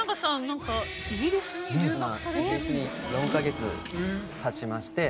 今イギリスに４カ月経ちまして。